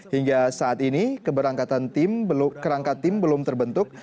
hingga saat ini kerangkat tim belum terbentuk